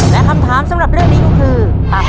และคำถามสำหรับเรื่องนี้ก็คือ